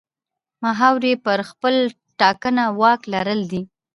محور یې پر خپله ټاکنه واک لرل دي.